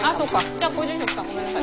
じゃあご住職さんごめんなさい